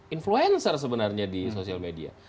influencer sebenarnya di sosial media